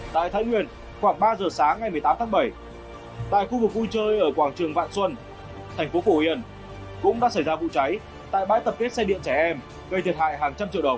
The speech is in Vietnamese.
tại thái nguyên khoảng ba giờ sáng ngày một mươi tám tháng bảy tại khu vực vui chơi ở quảng trường vạn xuân thành phố phổ yên cũng đã xảy ra vụ cháy tại bãi tập kết xe điện trẻ em gây thiệt hại hàng trăm triệu đồng